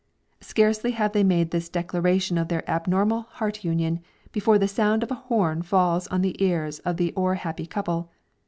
Scarcely have they made this declaration of their abnormal heart union, before the sound of a horn falls on the ears of the o'er happy couple.